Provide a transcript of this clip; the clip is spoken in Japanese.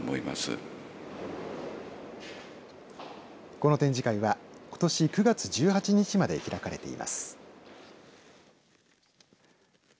この展示会はことし９月１８日まで開かれています。